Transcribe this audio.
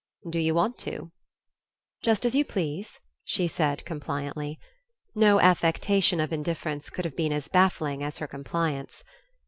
"Do you want to?" "Just as you please," she said, compliantly. No affectation of indifference could have been as baffling as her compliance.